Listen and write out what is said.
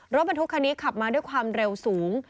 รถบรรทุกคันนี้ขับมาด้วยความเร็วสูง